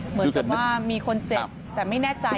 เหมือนกับว่ามีคนเจ็บแต่ไม่แน่ใจ